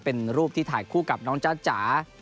เป็นรูปที่ถ่ายคู่กับน้องจ๊ะจ๋า